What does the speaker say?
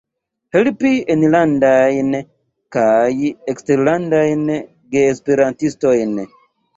Helpi enlandajn kaj eksterlandajn geesperantistojn.